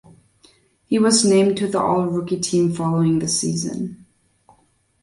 He was named to the All-Rookie Team following the season.